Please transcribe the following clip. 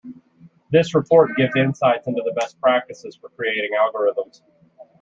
This report gives insights into the best practices for creating algorithms.